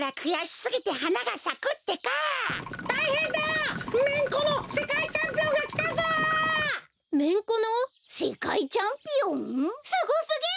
すごすぎる！